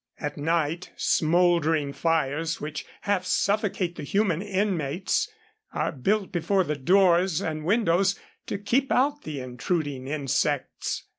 At night smoldering fires, which half suffocate the human inmates, are built before the doors and windows to keep out the intruding insects.